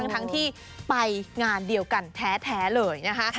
ทั้งที่ไปงานเดียวกันแท้เลยนะคะ